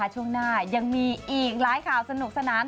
ช่วงหน้ายังมีอีกหลายข่าวสนุกสนาน